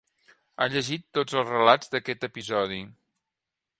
Ha llegit tots els relats d'aquest episodi.